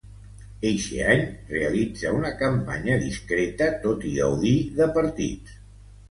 Eixe any realitza una campanya discreta, tot i gaudir de partits.